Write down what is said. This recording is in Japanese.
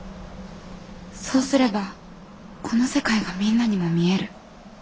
そうすればこの世界がみんなにも見える。